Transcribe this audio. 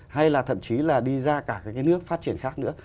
hay là thậm chí là đi ra cả những cái nước phát triển khác nữa